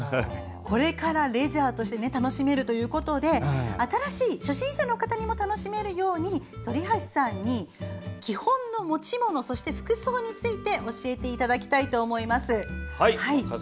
これからレジャーとして楽しめるということで新しい初心者の方にも楽しめるように反橋さんに基本の持ち物そして服装について教えていただきたいと思います。